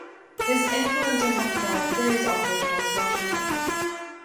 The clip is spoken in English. His influence helped guide Freer's offer towards Washington.